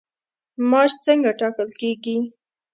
معاش څنګه ټاکل کیږي؟